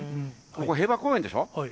ここ、平和公園でしょう。